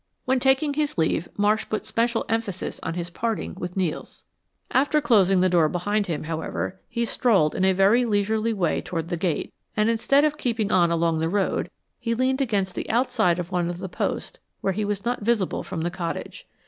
When taking his leave, Marsh put special emphasis on his parting with Nels. After closing the door behind him, however, he strolled in a very leisurely way toward the gate, and instead of keeping on along the road he leaned against the outside of one of the posts where he was not visible from the cottage.